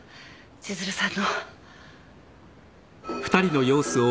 ・千鶴さん？